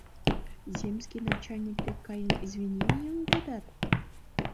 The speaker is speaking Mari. Земский начальник дек каен извиненийым йодат?..